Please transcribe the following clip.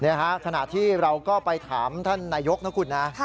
นี่ฮะขณะที่เราก็ไปถามท่านนายกนะครับคุณนะ